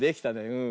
うん。